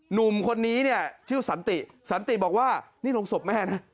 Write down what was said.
หนุ่มคนนี้เนี่ยชื่อสันติสันติบอกว่านี่ลงศพแม่นะ